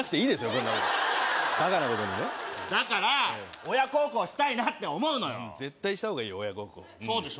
こんなバカなことにねだから親孝行したいなって思うのよ絶対した方がいいよ親孝行そうでしょ